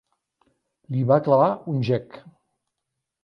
Li va clavar un gec.